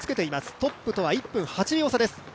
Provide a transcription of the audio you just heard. トップとは１分８秒差です。